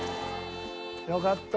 よかった。